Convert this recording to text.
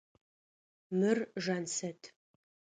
Мыр Жансэт.